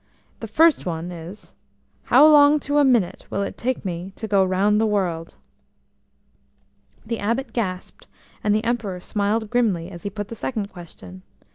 The first one is, how long to a minute will it take me to go round the world?" The Abbot gasped, and the Emperor smiled grimly as he put the second question.